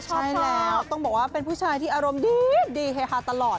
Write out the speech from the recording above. ใช่แล้วต้องบอกว่าเป็นผู้ชายที่อารมณ์ดีเฮฮาตลอด